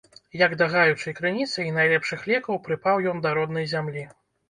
Як да гаючай крыніцы і найлепшых лекаў прыпаў ён да роднай зямлі.